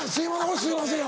俺「すいません」